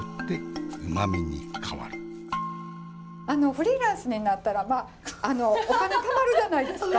フリーランスになったらお金たまるじゃないですか。